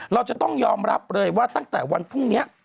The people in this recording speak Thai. เราจะต้องยอมรับเลยว่าตั้งแต่วันพรุ่งนี้